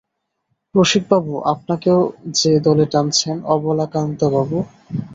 রসিকবাবু আপনাকেও যে দলে টানছেন অবলাকান্তবাবু!